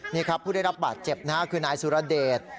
นี่ครับผู้ได้รับบาดเจ็บนะฮะคือนายสุรเดช